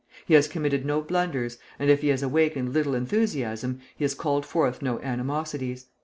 He has committed no blunders, and if he has awakened little enthusiasm, he has called forth no animosities.